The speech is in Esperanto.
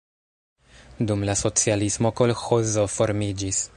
Dum la socialismo kolĥozo formiĝis.